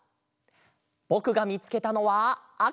ぼくがみつけたのはあか！